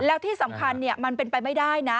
แล้วที่สำคัญมันเป็นไปไม่ได้นะ